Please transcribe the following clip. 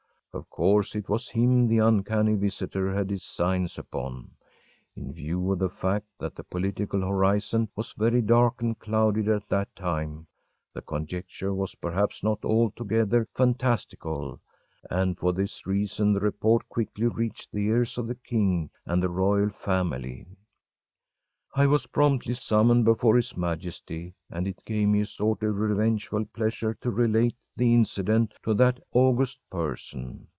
Of course, it was him the uncanny visitor had designs upon. In view of the fact that the political horizon was very dark and clouded at that time, the conjecture was perhaps not altogether phantastical, and for this reason the report quickly reached the ears of the king and the royal family. I was promptly summoned before His Majesty, and it gave me a sort of revengeful pleasure to relate the incident to that august person.